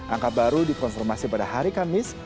angka baru dikonfirmasi pada hari kamis